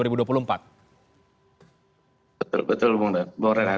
betul betul bung daniel